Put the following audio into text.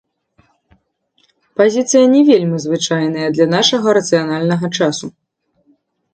Пазіцыя не вельмі звычайная для нашага рацыянальнага часу.